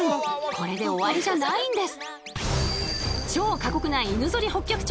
これで終わりじゃないんです。